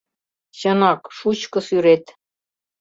Чынак, шучко сӱрет.